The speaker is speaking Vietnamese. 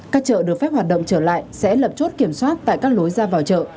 các chợ được phép hoạt động trở lại sẽ lập chốt kiểm soát tại các lối ra vào chợ